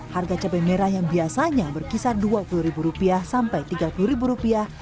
harga cabai merah yang biasanya berkisar dua puluh ribu rupiah sampai tiga puluh rupiah